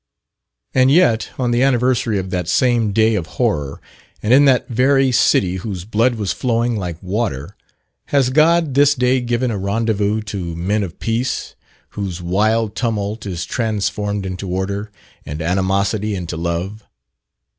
And yet on the anniversary of that same day of horror, and in that very city whose blood was flowing like water, has God this day given a rendezvous to men of peace, whose wild tumult is transformed into order, and animosity into love.